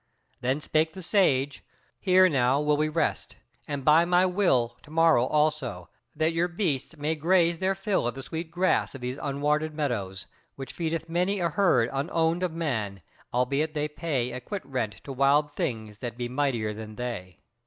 Then spake the Sage: "Here now will we rest, and by my will to morrow also, that your beasts may graze their fill of the sweet grass of these unwarded meadows. which feedeth many a herd unowned of man, albeit they pay a quit rent to wild things that be mightier than they.